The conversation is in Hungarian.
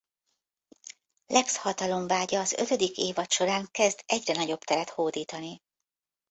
Lex hatalomvágya az ötödik évad során kezd egyre nagyobb teret hódítani.